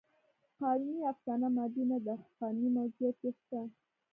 قانوني افسانه مادي نهده؛ خو قانوني موجودیت یې شته.